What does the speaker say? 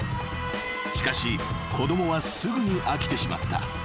［しかし子供はすぐに飽きてしまった］